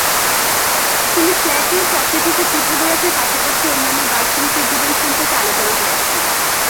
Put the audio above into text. তিনি Plato, Socrates ও পিথাগোরাসের পাশাপাশি অন্যান্য দার্শনিকের জীবন সম্পর্কে আলোচনা করেছেন।